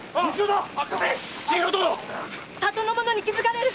里の者に気づかれる！